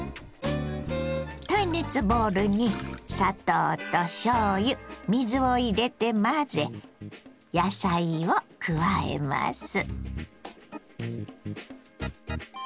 耐熱ボウルに砂糖としょうゆ水を入れて混ぜ野菜を加えます。